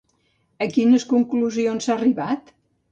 A quines conclusions s'ha arribat?